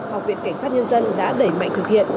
học viện cảnh sát nhân dân đã đẩy mạnh thực hiện